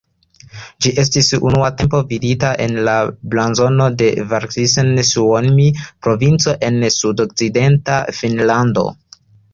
Ĝi estis unua tempo vidita en la blazono de Varsinais-Suomi, provinco en sudokcidenta Finnlando.